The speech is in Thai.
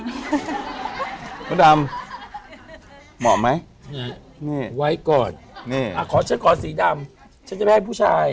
น้องดำเหมาะไหมไว้ก่อนขอฉันก่อนสีดำฉันจะให้ผู้ชาย